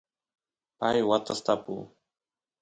pay watas tapu